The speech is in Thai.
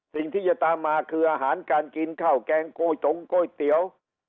สิ่งที่จะตามมาคืออาหารการกินข้าวแกงโก้จงก๋วยเตี๋ยว